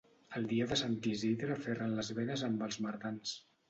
El dia de Sant Isidre aferren les benes amb els mardans.